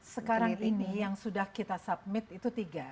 sekarang ini yang sudah kita submit itu tiga